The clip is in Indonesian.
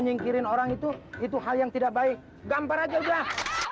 nyingkirin orang itu itu hal yang tidak baik gambar aja udah